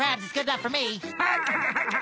アハハハ。